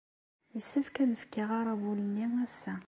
Yessefk ad fkeɣ aṛabul-nni ass-a.